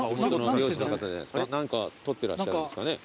何か取ってらっしゃるんですかね。